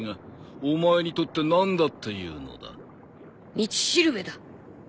道しるべだ。